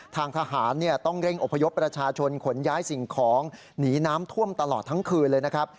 ทางทหารต้องเร่งอพยพประชาชนขนย้ายสิ่งของหนีน้ำท่วมตลอดทั้งคืนเลยนะครับ